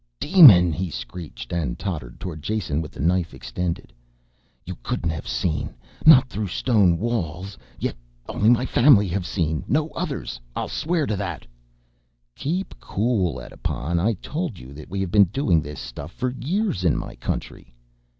"Demon!" he screeched and tottered towards Jason with the knife extended. "You couldn't have seen, not through stone walls, yet only my family have seen, no others I'll swear to that!" "Keep cool, Edipon, I told you that we have been doing this stuff for years in my country."